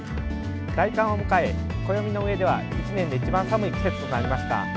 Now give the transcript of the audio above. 大寒を迎え暦の上では一年で一番寒い季節となりました。